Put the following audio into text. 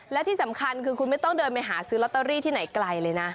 และที่สำคัญคือคุณไม่ต้องเดินไปหาซื้อลอตเตอรี่ที่ไหนไกลเลยนะ